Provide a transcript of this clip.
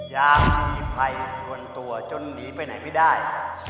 อย่ามีใครวนตัวจนหนีไปไหนไม่ได้